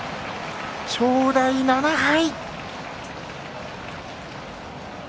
正代、７敗。